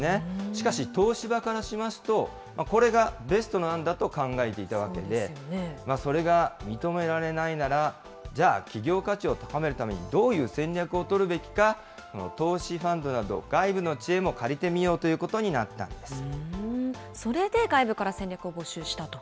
しかし、東芝からしますと、これがベストな案だと考えていたわけで、それが認められないなら、じゃあ、企業価値を高めるためにどういう戦略を取るべきか、投資ファンドなど、外部の知恵も借りてそれで外部から戦略を募集したと。